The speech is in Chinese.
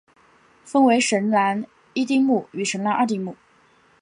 分为神南一丁目与神南二丁目。